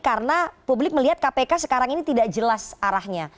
karena publik melihat kpk sekarang ini tidak jelas arahnya